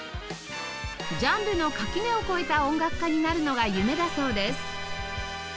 ジャンルの垣根を越えた音楽家になるのが夢だそうです